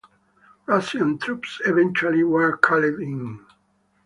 Russian troops eventually were called in.